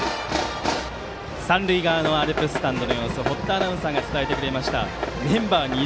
三塁側のアルプススタンドの様子を堀田アナウンサーが伝えてくれました。